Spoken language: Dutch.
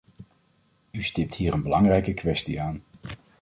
U stipt hier een belangrijke kwestie aan.